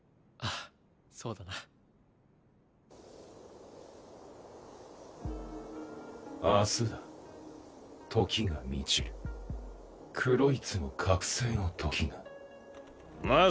あそうだな明日だ時が満ちるクロイツの覚醒の時がまっ